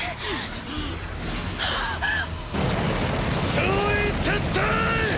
総員撤退！！